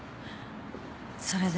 それで？